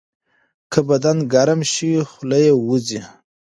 که بدن ګرم شي، خوله یې وځي.